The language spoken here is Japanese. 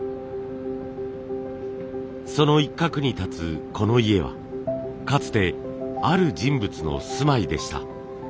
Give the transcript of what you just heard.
その一角に建つこの家はかつてある人物の住まいでした。